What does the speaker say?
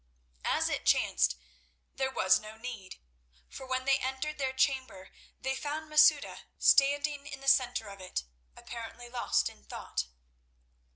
As it chanced, there was no need, for when they entered their chamber they found Masouda standing in the centre of it, apparently lost in thought.